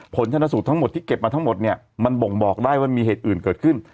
ผลชนสูตรทั้งหมดที่เก็บมาทั้งหมดเนี่ยมันบ่งบอกได้ว่ามีเหตุอื่นเกิดขึ้น